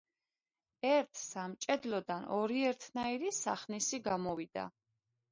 ერთ სამჭედლოდან ორი ერთნაირი სახნისი გამოვიდა